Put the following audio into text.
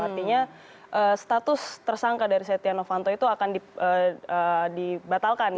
artinya status tersangka dari setia novanto itu akan dibatalkan